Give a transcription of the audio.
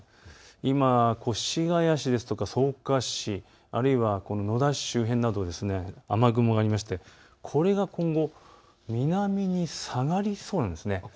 今、越谷市や草加市、あるいは野田市周辺など雨雲がありましてこれが今後、南に下がりそうなんです。